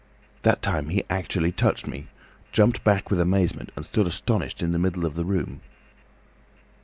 That time he actually touched me, jumped back with amazement and stood astonished in the middle of the room.